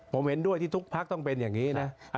ผมเห็นด้วยที่ทุกพักต้องเป็นอย่างนี้นะ